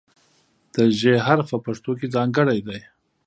د "ژ" حرف په پښتو کې ځانګړی دی.